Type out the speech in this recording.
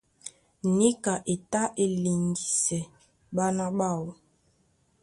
Níka e tá e liŋgisɛ ɓána ɓáō.